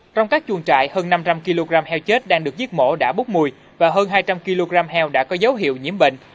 trong các chuồng trại hơn năm trăm linh kg heo chết đang được giết mổ đã bốc mùi và hơn hai trăm linh kg heo đã có dấu hiệu nhiễm bệnh